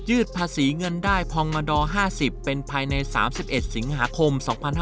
ภาษีเงินได้พองมด๕๐เป็นภายใน๓๑สิงหาคม๒๕๕๙